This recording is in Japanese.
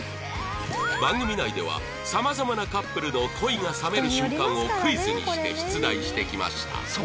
番組内ではさまざまなカップルの恋が冷める瞬間をクイズにして出題してきました